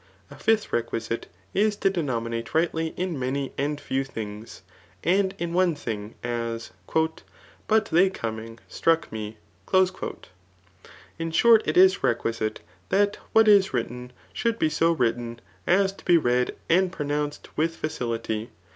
A fifth requisite is to denomi nate rightly in many and few things ; and in one thing } aSt ^ But they coming, struck me." ^ In short, it is requisite that what is written, should be •0 written as to be read and pronounced with facility.